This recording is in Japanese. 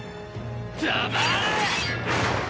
黙れ！